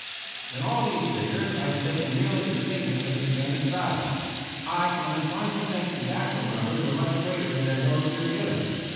In all these figures I have taken merely the statements from the Spanish side. I am inclined to think the actual numbers were much greater than those here given.